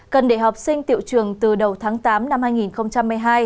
cần để học sinh tiệu trường từ đầu tháng tám năm hai nghìn hai mươi hai